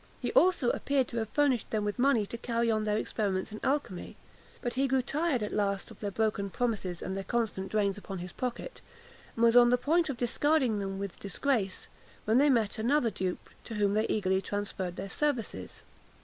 He also appears to have furnished them with money to carry on their experiments in alchymy; but he grew tired, at last, of their broken promises and their constant drains upon his pocket, and was on the point of discarding them with disgrace, when they met with another dupe, to whom they eagerly transferred their services.